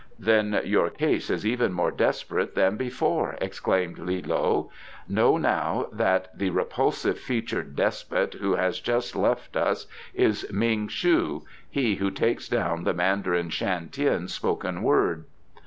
"Then your case is even more desperate than before," exclaimed Li loe. "Know now that the repulsive featured despot who has just left us is Ming shu, he who takes down the Mandarin Shan Tien's spoken word.